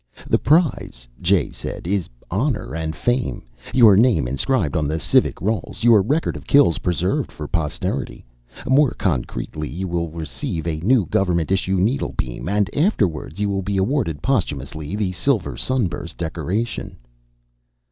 "The prize," Jay said, "is honor and fame. Your name inscribed on the civic rolls. Your record of kills preserved for posterity. More concretely, you will receive a new government issue needlebeam and, afterwards, you will be awarded posthumously the silver sunburst decoration."